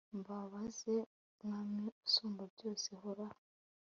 mbahaze mwami usumba byose hora